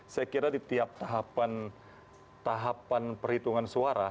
saya kira di tiap tahapan perhitungan suara